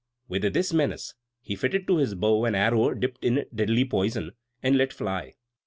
With this menace, he fitted to his bow an arrow dipped in deadly poison, and let fly.